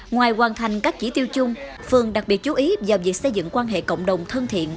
ngoài hoàn thành các chỉ tiêu chung phường đặc biệt chú ý vào việc xây dựng quan hệ cộng đồng thân thiện